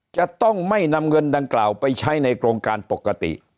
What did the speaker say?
จะต้องไม่นำเงินดังกล่าวไปใช้ในโครงการปกติ